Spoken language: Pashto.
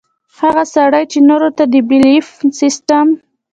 هغه سړے چې نورو ته د بيليف سسټم